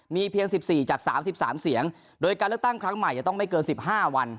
มีเพียง๑๔จาก๓๓เสียงโดยการเลือกตั้งครั้งใหม่จะต้องไม่เกิน๑๕วัน